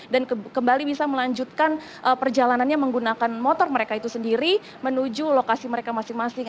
dan kembali bisa melanjutkan perjalanannya menggunakan motor mereka itu sendiri menuju lokasi mereka masing masing